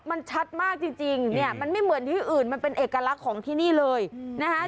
มันชัดมากจริงเนี่ยมันไม่เหมือนที่อื่นมันเป็นเอกลักษณ์ของที่นี่เลยนะคะ